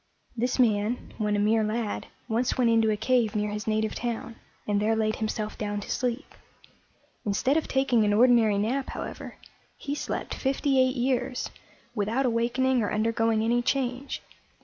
This man, when a mere lad, once went into a cave near his native town, and there laid himself down to sleep. Instead of taking an ordinary nap, however, he slept fifty eight years, without awakening or undergoing any change.